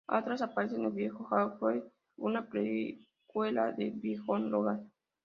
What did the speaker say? Atlas aparece en "Viejo Hawkeye", una precuela de "Viejo Logan".